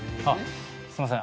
すいません。